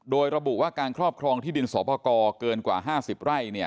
โดยระบุว่าการครอบครองที่ดินสอปกรเกินกว่า๕๐ไร่